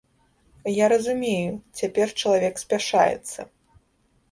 Я разумею, цяпер чалавек спяшаецца.